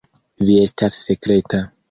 Vi estas sekreta.